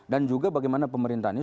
dan juga bagaimana pemerintah ini